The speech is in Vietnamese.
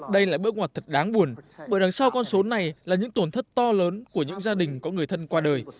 đây là bước ngoặt thật đáng buồn bởi đằng sau con số này là những tổn thất to lớn của những gia đình có người thân qua đời